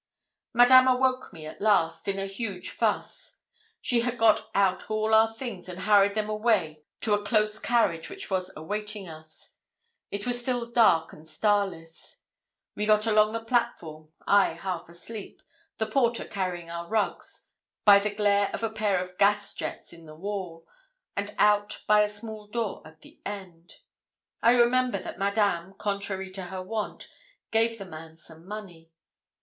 Madame awoke me at last, in a huge fuss. She had got out all our things and hurried them away to a close carriage which was awaiting us. It was still dark and starless. We got along the platform, I half asleep, the porter carrying our rugs, by the glare of a pair of gas jets in the wall, and out by a small door at the end. I remember that Madame, contrary to her wont, gave the man some money.